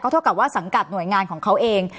เท่ากับว่าสังกัดหน่วยงานของเขาเอง